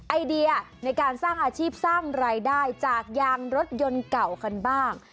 ไอเดียในการสร้างอาชีพสร้างรายได้จากยางรถยนต์เก่ากันบ้าง